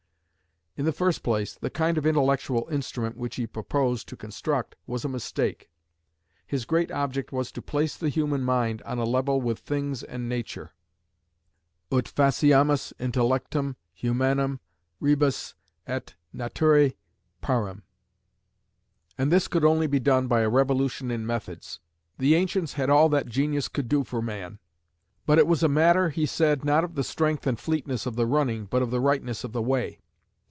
In the first place, the kind of intellectual instrument which he proposed to construct was a mistake. His great object was to place the human mind "on a level with things and nature" (ut faciamus intellectum humanum rebus et naturæ parem), and this could only be done by a revolution in methods. The ancients had all that genius could do for man; but it was a matter, he said, not of the strength and fleetness of the running, but of the rightness of the way.